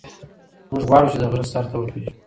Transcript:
موږ غواړو چې د غره سر ته وخېژو.